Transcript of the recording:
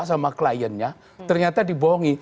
sama kliennya ternyata dibohongi